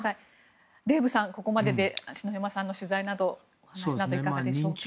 デーブさん、ここまでで篠山さんの取材などいかがでしょうか。